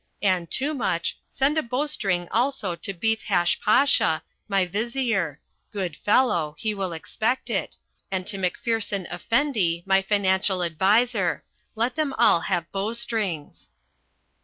And, Toomuch, send a bowstring also to Beefhash Pasha, my Vizier good fellow, he will expect it and to Macpherson Effendi, my financial adviser. Let them all have bowstrings."